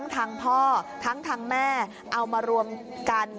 ทั้งพ่อทั้งทางแม่เอามารวมกัน